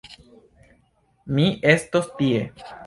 Mi estos tie.